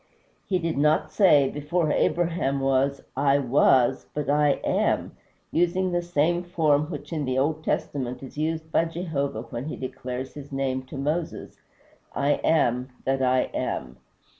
He did not say, "Before Abraham was, I was," but "I AM," using the same form which in the Old Testament is used by Jehovah when he declares his name to Moses, "I AM that I am."